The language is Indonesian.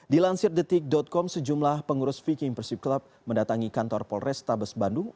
di lansir detik com sejumlah pengurus vicky persib club mendatangi kantor polres tabes bandung